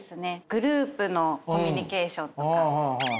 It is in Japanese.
グループのコミュニケーションとか。